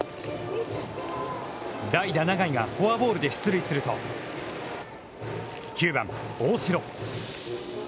代打、永井がフォアボールで出塁すると、９番大城。